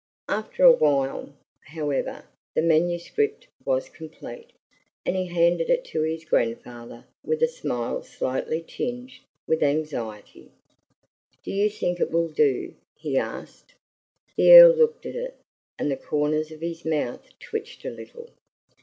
After a while, however, the manuscript was complete, and he handed it to his grandfather with a smile slightly tinged with anxiety. "Do you think it will do?" he asked. The Earl looked at it, and the corners of his mouth twitched a little.